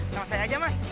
sama saya aja mas edi